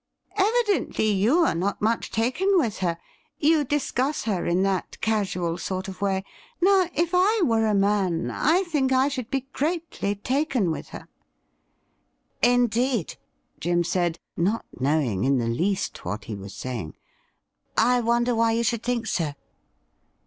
' Evidently you are not much taken with her — you dis cuss her in that casual sort of way. Now, if I were a man, I think I should be greatly taken with her.' ' Indeed !' Jim said, not knowing in the least what he was saying. ' I wonder why you should think so